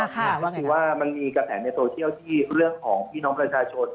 ก็คือว่ามันมีกระแสในโซเชียลที่เรื่องของพี่น้องประชาชน